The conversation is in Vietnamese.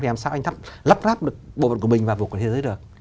thì làm sao anh lắp ráp được bộ phận của mình và vụ của thế giới được